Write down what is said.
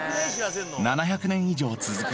７００年以上続く